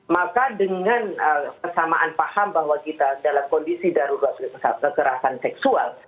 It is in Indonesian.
maka dengan kesamaan paham bahwa kita dalam kondisi darurat kekerasan seksual